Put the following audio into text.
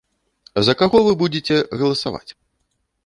За каго вы будзеце галасаваць?